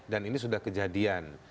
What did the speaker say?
dan ini sudah kejadian